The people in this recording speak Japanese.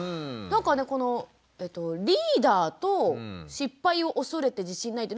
なんかねこのリーダーと失敗を恐れて自信ないって